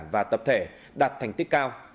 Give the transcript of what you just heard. và tập thể đạt thành tích cao